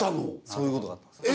そういうことがあったんです。